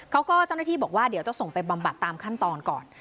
เจ้าหน้าที่บอกว่าเดี๋ยวจะส่งไปบำบัดตามขั้นตอนก่อน